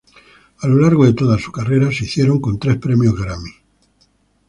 A lo largo de toda su carrera se hicieron con tres premios Grammy.